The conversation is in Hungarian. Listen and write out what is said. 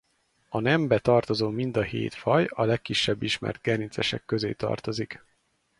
A nembe tartozó mind a hét faj a legkisebb ismert gerincesek közé tartozik.